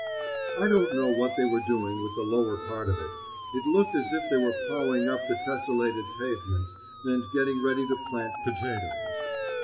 I don't know what they were doing with the lower part of it; it looked as if they were ploughing up the tesselated pavements and getting ready to plant potatoes.